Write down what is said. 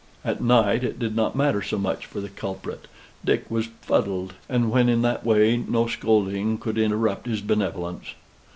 At night it did not matter so much for the culprit; Dick was fuddled, and when in that way no scolding could interrupt his benevolence.